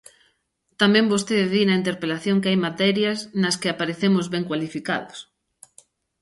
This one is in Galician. Tamén vostede di na interpelación que hai materias nas que aparecemos ben cualificados.